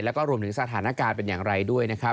แล้วก็รวมถึงสถานการณ์เป็นอย่างไรด้วยนะครับ